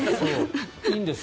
いいんです。